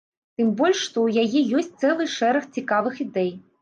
Тым больш што ў яе ёсць цэлы шэраг цікавых ідэй.